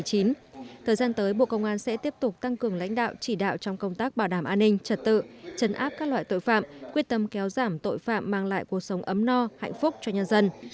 thời gian tới bộ công an sẽ tiếp tục tăng cường lãnh đạo chỉ đạo trong công tác bảo đảm an ninh trật tự chấn áp các loại tội phạm quyết tâm kéo giảm tội phạm mang lại cuộc sống ấm no hạnh phúc cho nhân dân